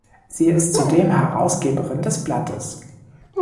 Sie ist zudem Herausgeberin des Blattes.